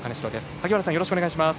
萩原さん、よろしくお願いします。